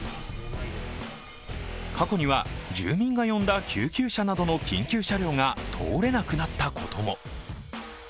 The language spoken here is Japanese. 過去には住民が呼んだ救急車などの緊急車両が通れなくなったことも。